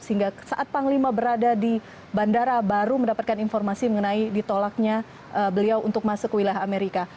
sehingga saat panglima berada di bandara baru mendapatkan informasi mengenai ditolaknya beliau untuk masuk ke wilayah amerika